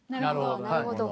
なるほど。